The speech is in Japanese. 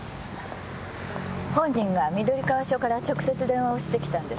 本人が緑川署から直接電話をしてきたんです。